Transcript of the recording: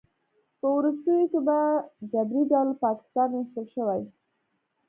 په وروستیو کې په جبري ډول له پاکستانه ایستل شوی